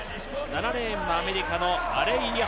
７レーンはアメリカのアレイア・